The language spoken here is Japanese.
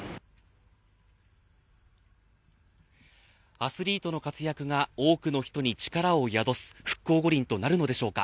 アスリートの活躍が多くの人に力を宿す復興五輪となるのでしょうか。